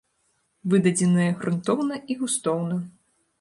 Выдадзеная грунтоўна і густоўна.